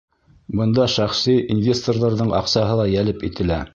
Бында шәхси инвесторҙарҙың аҡсаһы ла йәлеп ителә.